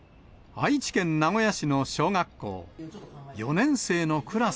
愛知県名古屋市の小学校。